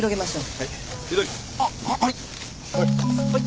はい。